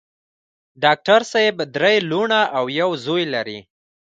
ډاکټر صېب درې لوڼه او يو زوے لري